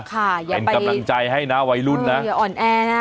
เป็นกำลังใจให้นะวัยรุ่นนะ